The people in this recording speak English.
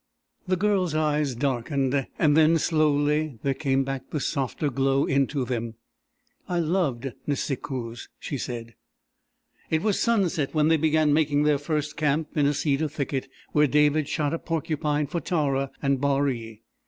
The girl's eyes darkened, and then slowly there came back the softer glow into them. "I loved Nisikoos," she said. It was sunset when they began making their first camp in a cedar thicket, where David shot a porcupine for Tara and Baree.